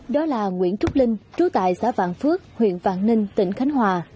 đó là nguyễn trúc linh trú tại xã vạn phước huyện vạn ninh tỉnh khánh hòa